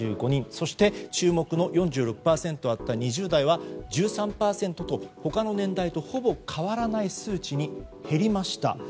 そして、注目の４６％あった２０代は１３％と、他の年代とほぼ変わらない数値に減りました。